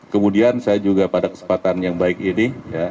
kemudian saya juga pada kesempatan yang baik ini